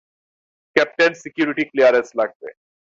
Captain, security clearance লাগবে।